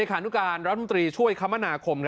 ขณะการรัฐดรช่วยคมนาคม